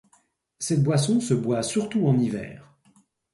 Cette boisson se boit surtout en hiver.